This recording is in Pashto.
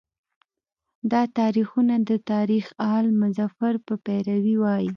دا تاریخونه د تاریخ آل مظفر په پیروی وایي.